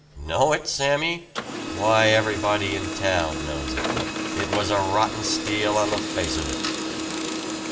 "Know it, Sammy? Why everybody in town knows it. It was a rotten steal, on the face of it."